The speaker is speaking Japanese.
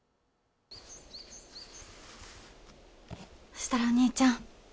そしたらお兄ちゃん。